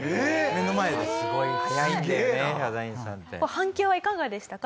反響はいかがでしたか？